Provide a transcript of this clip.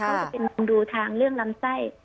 เขาจะเป็นคนดูทางเรื่องลำไส้